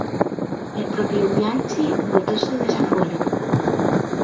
El propio Bianchi votó su desafuero.